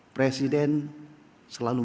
presiden selalu menginginkan